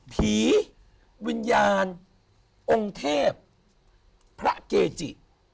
วิญญาณองค์เทพพระเกจิ